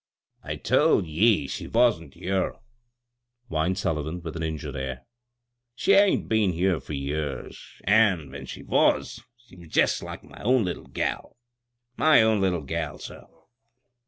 " I told ye she wa'n't here," whined Sulli van with an injured air. " She hain't been here fur years — an' when she was, she was jest like my own litde gal — my own little gal, sir."